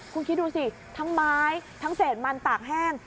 คุณคิดดูสิทั้งไม้ทั้งเศษมันตากแห้ง